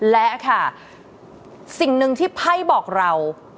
และค่ะสิ่งหนึ่งที่ไพ่บอกเรา